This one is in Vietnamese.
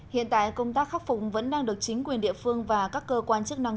hiện tại công tác khắc phục vẫn đang được chính quyền địa phương và các cơ quan chức năng